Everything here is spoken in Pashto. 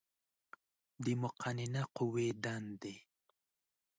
د مقننه قوې دندې